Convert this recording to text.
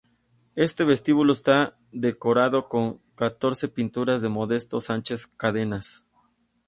Este vestíbulo está decorado con catorce pinturas de Modesto Sánchez Cadenas.